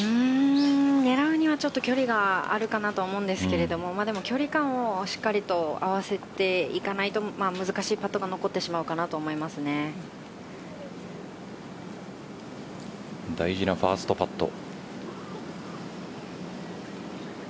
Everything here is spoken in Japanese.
狙うにはちょっと距離があるかなと思うんですけども距離感をしっかりと合わせていかないと難しいパットが大事なファーストパット。